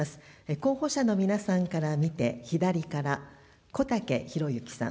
候補者の皆さんから見て左から、こたけひろゆきさん。